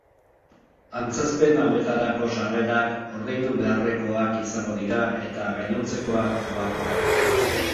Antzezpen hauetarako sarrerak ordaindu beharrekoak izango dira eta gainontzekoak, doakoak.